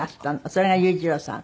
それが裕次郎さん。